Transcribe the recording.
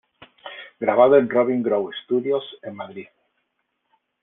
Grabado en Robin Grove Studios en Madrid.